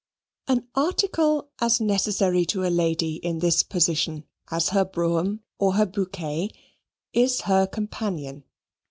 An article as necessary to a lady in this position as her brougham or her bouquet is her companion.